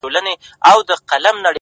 • ماشومانو ته به کومي کیسې یوسي,